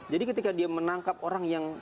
jadi ketika dia menangkap orang yang